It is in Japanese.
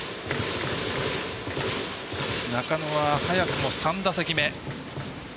中野は早くも３打席目。